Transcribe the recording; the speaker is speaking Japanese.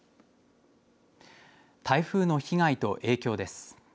台風の被害と影響です。